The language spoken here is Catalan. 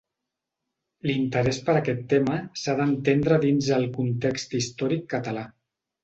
L'interès per aquest tema s'ha d'entendre dins el context històric català.